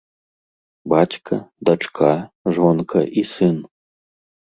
Бацька, дачка, жонка і сын.